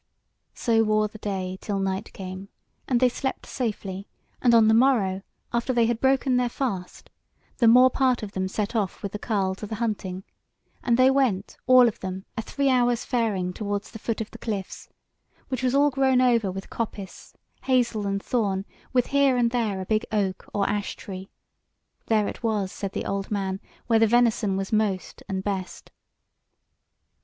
So wore the day till night came; and they slept safely, and on the morrow after they had broken their fast, the more part of them set off with the carle to the hunting, and they went, all of them, a three hours' faring towards the foot of the cliffs, which was all grown over with coppice, hazel and thorn, with here and there a big oak or ash tree; there it was, said the old man, where the venison was most and best.